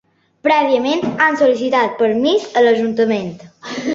Prèviament han sol·licitat permís a l'ajuntament.